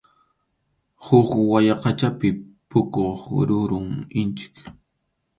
Huk wayaqachapi puquq rurum inchik.